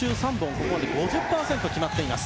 ここまで５０％決まっています。